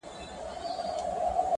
چي په شا یې د عیبونو ډک خورجین دی -